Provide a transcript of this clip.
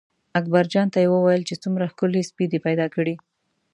اکبرجان ته یې وویل چې څومره ښکلی سپی دې پیدا کړی.